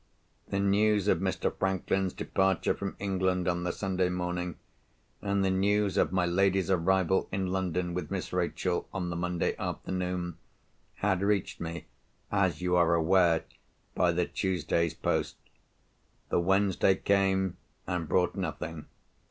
The news of Mr. Franklin's departure from England on the Sunday morning, and the news of my lady's arrival in London with Miss Rachel on the Monday afternoon, had reached me, as you are aware, by the Tuesday's post. The Wednesday came, and brought nothing.